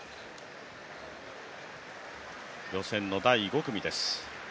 予選の第５組です。